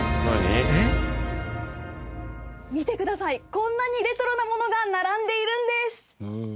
こんなにレトロなものが並んでいるんです！